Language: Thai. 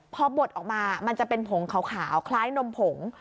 พอบดออกมามันจะเป็นผงขาวคล้ายนมผง